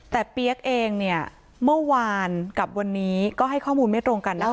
แต่เปี๊ยกเองเนี่ยเมื่อวานกับวันนี้ก็ให้ข้อมูลไม่ตรงกันนะคะ